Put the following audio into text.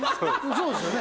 そうですよね？